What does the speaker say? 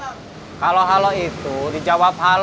gak terlalu hebat juga praying kan